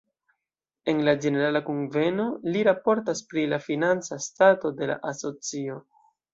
En la ĝenerala kunveno li raportas pri la financa stato de la asocio.